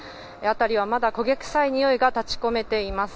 辺りはまだ焦げ臭いにおいが立ち込めています。